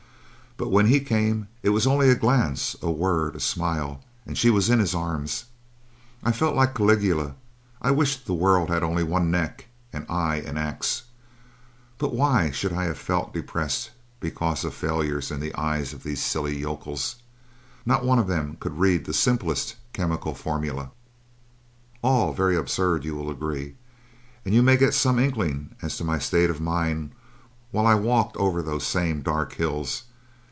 But when he came it was only a glance, a word, a smile, and she was in his arms. I felt like Caligula. I wished the world had only one neck, and I an axe. But why should I have felt depressed because of failures in the eyes of these silly yokels? Not one of them could read the simplest chemical formula! "All very absurd, you will agree, and you may get some inkling as to my state of mind while I walked over those same dark hills.